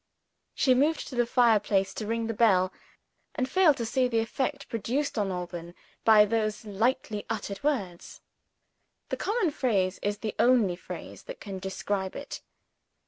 She moved to the fireplace, to ring the bell, and failed to see the effect produced on Alban by those lightly uttered words. The common phrase is the only phrase that can describe it.